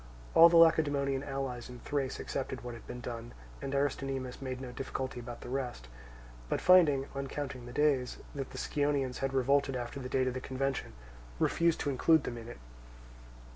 All the Lacedaemonian allies in Thrace accepted what had been done; and Aristonymus made no difficulty about the rest, but finding, on counting the days, that the Scionaeans had revolted after the date of the convention, refused to include them in it.